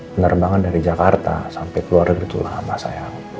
penerbangan dari jakarta sampai keluar itu lama sayang